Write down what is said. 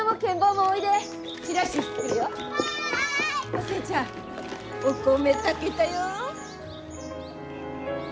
お寿恵ちゃんお米炊けたよ！